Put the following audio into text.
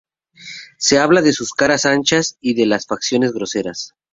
Se habla de sus caras anchas y de las facciones groseras.